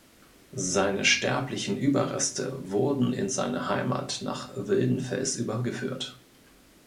Seine sterblichen Überreste wurden in seine Heimat nach Wildenfels übergeführt.